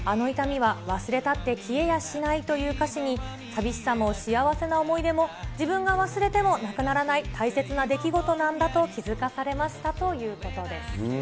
大丈夫だ、あの痛みは忘れたって消えやしないという歌詞に、寂しさも幸せな思い出も自分が忘れてもなくならない大切な出来事なんだと気付かされましたということです。